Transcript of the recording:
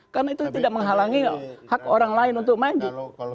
karena itu tidak menghalangi hak orang lain untuk maju